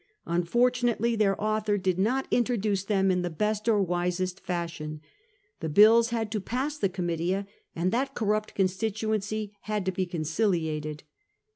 Unfortunately their author did not introduce them in the best or wisest fashion. The bills had to pass the Oomitia, and that corrupt constituency had to he conciliated.